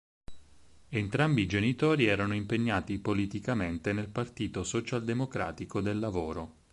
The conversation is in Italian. Entrambi i genitori erano impegnati politicamente nel Partito Socialdemocratico del Lavoro.